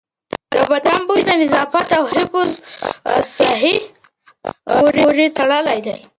د بدن بوی د نظافت او حفظ الصحې پورې تړلی دی.